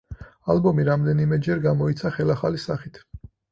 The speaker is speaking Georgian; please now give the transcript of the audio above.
ალბომი რამდენიმეჯერ გამოიცა ხელახალი სახით.